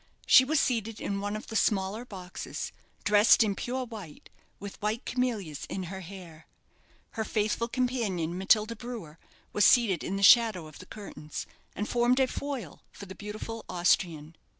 She was seated in one of the smaller boxes, dressed in pure white, with white camellias in her hair. Her faithful companion, Matilda Brewer, was seated in the shadow of the curtains, and formed a foil for the beautiful Austrian.